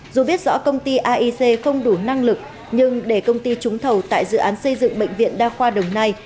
dù biết rõ công ty aic không đủ năng lực nhưng để công ty trúng thầu tại dự án xây dựng bệnh viện đa khoa đồng nai